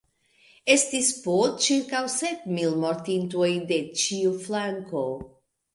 Estis po ĉirkaŭ sep mil mortintoj de ĉiu flanko.